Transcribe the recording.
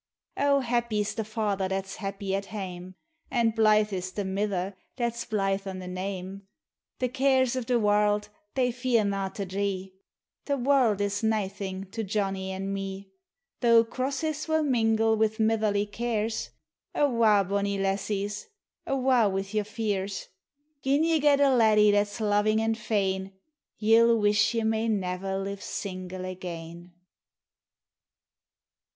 O happy \s the father that 's happy at haine, An' blythe is the niither that 's blythe o' the name. The cares o' the warld thev fear na' to dree —■ The warld is uaething to Johnny an' me. Though crosses will mingle wi' mitherly cares, Awa', bonnie lassies — awa' wi' your fears; < Jin ye get a laddie that 's loving and fain, Ye '11 wish ye may never live single again.